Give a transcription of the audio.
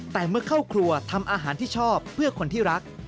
แต่เมื่อเข้าครัวทำอาหารที่ชอบเพื่อคนที่รัก